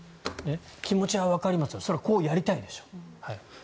気持ちはわかりますがそれはこうやりたいでしょう。